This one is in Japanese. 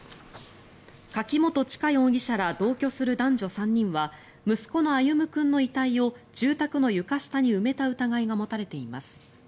柿本知香容疑者ら同居する男女３人は息子の歩夢君の遺体を住宅の床下に埋めた疑いが持たれています。